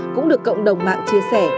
cũng được cộng đồng mạng chia sẻ